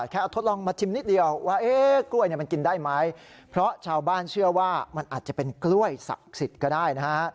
แค่เอาทดลองมาชิมนิดเดียวว่าเอ๊ะกล้วยเนี่ยมันกินได้ไหมเพราะชาวบ้านเชื่อว่ามันอาจจะเป็นกล้วยศักดิ์สิทธิ์ก็ได้นะฮะ